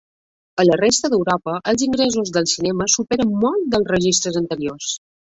A la resta d'Europa, els ingressos dels cinemes superen molts dels registres anteriors.